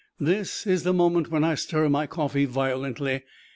This is the moment when I stir my coffee violently.